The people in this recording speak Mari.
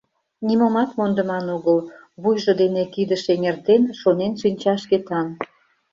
— «Нимомат мондыман огыл, — вуйжо дене кидыш эҥертен, шонен шинча Шкетан.